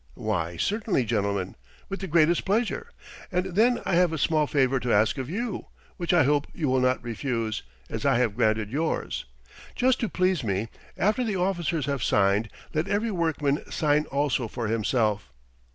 "Why, certainly, gentlemen! With the greatest pleasure! And then I have a small favor to ask of you, which I hope you will not refuse, as I have granted yours. Just to please me, after the officers have signed, let every workman sign also for himself.